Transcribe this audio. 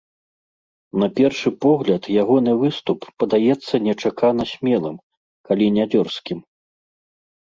На першы погляд ягоны выступ падаецца нечакана смелым, калі не дзёрзкім.